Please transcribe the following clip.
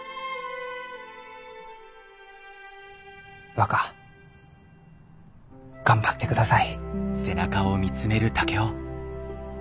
若頑張ってください。